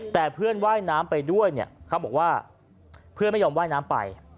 แต่เพื่อนว่ายน้ำไปด้วยเนี่ยเขาบอกว่าเพื่อนไม่ยอมว่ายน้ำไป